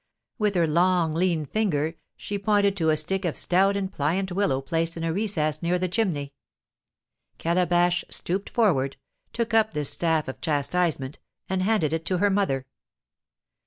With her long lean finger she pointed to a stick of stout and pliant willow placed in a recess near the chimney. Calabash stooped forward, took up this staff of chastisement, and handed it to her mother.